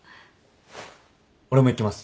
俺も行きます。